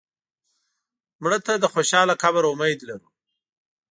مړه ته د خوشاله قبر امید لرو